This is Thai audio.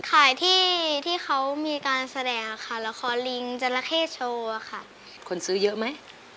ขายที่ที่เขามีการแสดงค่ะละครลิงจราเข้โชว์ค่ะคนซื้อเยอะไหม